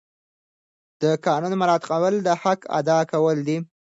د قانون مراعات کول د حق ادا کول دي.